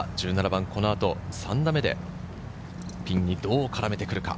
１７番、この後３打目でピンにどう絡めてくるか。